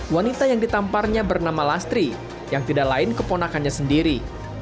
wanita yang ditamparnya bernama lastri yang tidak lain keponakannya sendiri